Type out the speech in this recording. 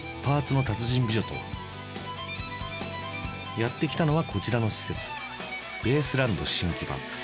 やって来たのはこちらの施設ベースランド新木場